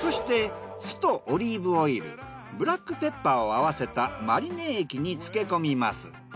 そして酢とオリーブオイルブラックペッパーを合わせたマリネ液に漬け込みます。